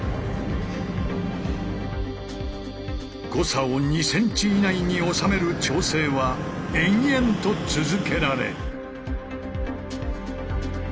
誤差を２ｃｍ以内に収める調整は延々と続けられ。